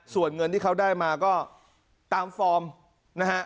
ส่วนเงินที่เขาได้มาก็ตามฟอร์มนะฮะ